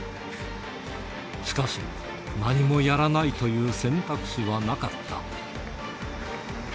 しかし、何もやらないという選択肢はなかった。